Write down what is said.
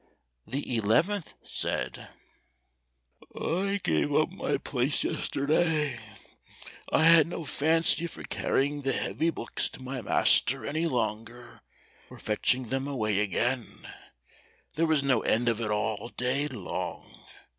The eleventh said, "I gave up my place yesterday. I had no fancy for carrying the heavy books to my master any longer or fetching them away again. There was no end of it all day long.